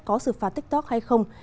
có sự phạt tiktok hay không